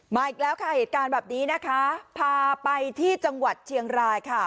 อีกแล้วค่ะเหตุการณ์แบบนี้นะคะพาไปที่จังหวัดเชียงรายค่ะ